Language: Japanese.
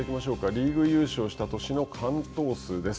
リーグ優勝した年の完投数です。